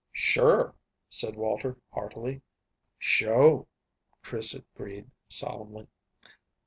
"Sure," said Walter heartily. "Sho'," Chris agreed solemnly.